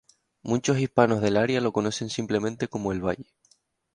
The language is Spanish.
Muchos hispanos del área lo conocen simplemente como El Valle.